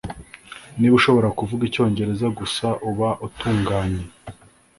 Niba ushobora kuvuga icyongereza gusa uba utunganye